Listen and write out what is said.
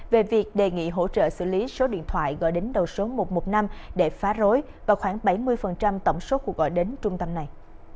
về việc đề nghị hỗ trợ xử lý số điện thoại gọi đến đầu số một trăm một mươi năm để phá rối và khoảng bảy mươi tổng số cuộc gọi đến trung tâm này